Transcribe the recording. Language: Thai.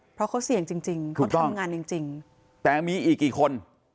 เพราะเขาเสี่ยงจริงจริงเขาทำงานจริงแต่มีอีกกี่คน